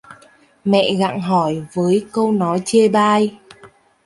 Mẹ gặng hỏi với câu nói chê bai